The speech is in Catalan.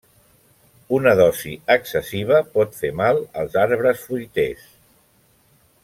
Una dosi excessiva pot fer mal als arbres fruiters.